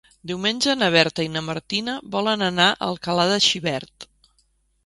Diumenge na Berta i na Martina volen anar a Alcalà de Xivert.